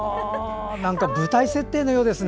舞台セットのようですね。